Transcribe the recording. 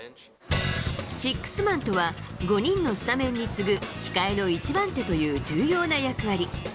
シックスマンとは、５人のスタメンに次ぐ、控えの一番手という重要な役割。